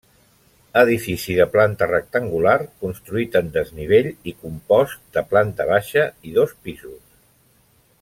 Edifici de planta rectangular construït en desnivell i compost de planta baixa i dos pisos.